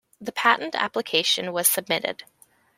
The patent application was submitted.